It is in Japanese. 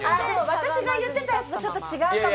私と言ってたやつとはちょっと違うかも。